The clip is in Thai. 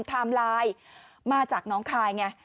ไทม์ไลน์มาจากน้องคายไง